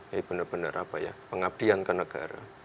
jadi benar benar apa ya pengabdian ke negara